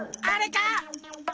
あれか？